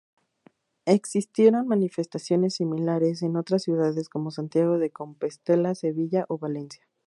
Existieron manifestaciones similares en otras ciudades como Santiago de Compostela, Sevilla o Valencia.